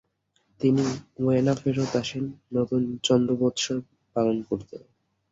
তিনি উএনো ফেরত আসেন নতুন চন্দ্রোবৎসর পালন করতে।